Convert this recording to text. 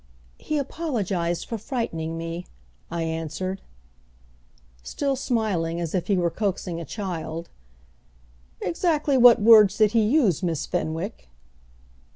"He apologized for frightening me," I answered. Still smiling, as if he were coaxing a child, "Exactly what words did he use, Miss Fenwick?"